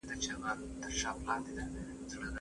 لوستې نجونې د همکارۍ ارزښت نورو ته ښيي.